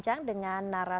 selamat malam mbak hilal